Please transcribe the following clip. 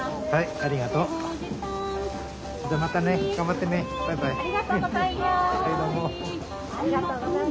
ありがとうございます。